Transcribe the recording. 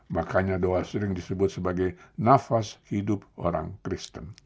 makanya doa sering disebut sebagai nafas hidup orang kristen